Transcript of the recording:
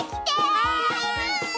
はい。